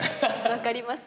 分かります。